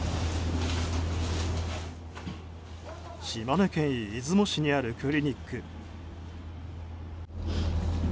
島根県出雲市にあるクリニック。